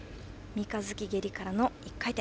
三日月蹴りから１回転。